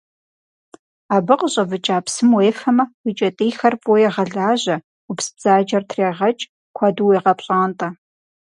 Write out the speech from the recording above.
Абы къыщӏэвыкӏа псым уефэмэ, уи кӏэтӏийхэр фӏыуэ егъэлажьэ, ӏупсбзаджэр трегъэкӏ, куэду уегъэпщӏантӏэ.